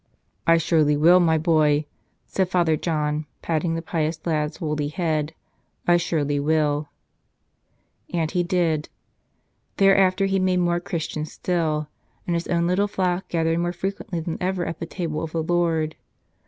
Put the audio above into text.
"I surely will, my boy," said Father John, patting the pious lad's woolly head ; "I surely will." And he did. Thereafter he made more Christians still ; and his own little flock gathered more frequently than ever at the table of the Lord.